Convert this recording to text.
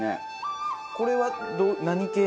これは何系の？